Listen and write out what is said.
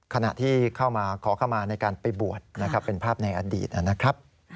ขณะที่เข้ามาขอเข้ามาในการไปบวชนะครับเป็นภาพในอดีตนะครับ